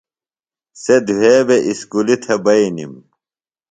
سےۡ دُھے بےۡ اُسکُلیۡ تھےۡ بئینِم۔